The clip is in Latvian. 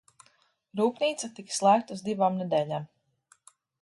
R?pn?ca tiks sl?gta uz div?m ned???m.